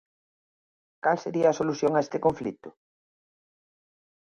Cal sería a solución a este conflito?